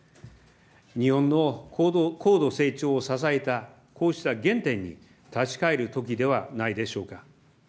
日本の高度成長を支えたこうした原点に立ち返るときではないでしょうか。